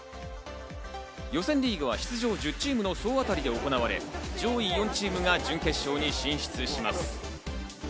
予選リーグは出場１０チームの総当たりで行われ、上位４チームが準決勝に進出します。